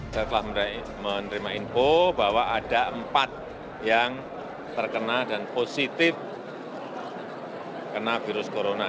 saya telah menerima info bahwa ada empat yang terkena dan positif kena virus corona